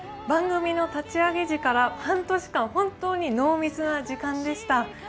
番組の立ち上げ時から半年間、本当に濃密な時間でした。